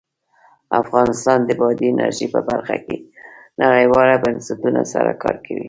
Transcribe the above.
افغانستان د بادي انرژي په برخه کې نړیوالو بنسټونو سره کار کوي.